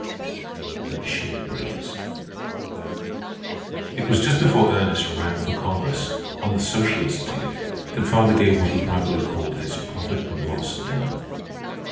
THE MACHINE BREAKERS It was just before Ernest ran for Congress, on the socialist ticket, that father gave what he privately called his "Profit and Loss" dinner.